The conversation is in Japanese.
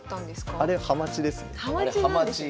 あれハマチです。